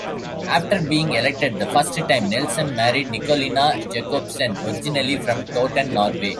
After being elected the first time, Nelson married Nicholina Jacobsen, originally from Toten, Norway.